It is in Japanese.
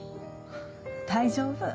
大丈夫。